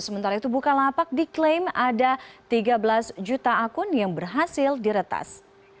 sementara itu bukalapak diklaim ada tiga belas juta akun yang berhasil diretas